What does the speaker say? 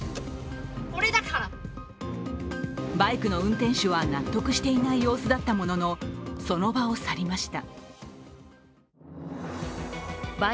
バイクの運転手は納得していない様子だったもののその場を去りました。